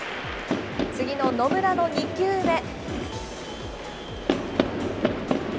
次の野村の２球目。